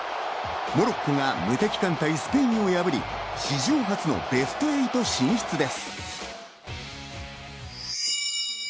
モロッコが無敵艦隊・スペインを破り、史上初のベスト８進出です。